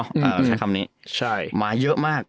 ใช่คำนี้มาเยอะมาก